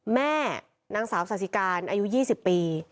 แม่นางสาวสาธิการอายุ๒๐ปี